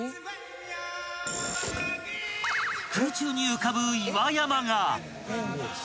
［空中に浮かぶ岩山が］